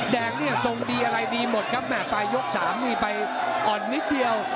แดงเนี่ยทรงดีอะไรดีหมดครับแม่ปลายยก๓นี่ไปอ่อนนิดเดียว